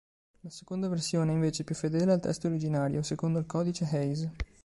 La seconda versione è invece più fedele al testo originario, secondo il Codice Hays.